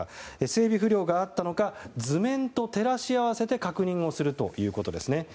整備不良があったのか図面と照らし合わせて確認をするということですね。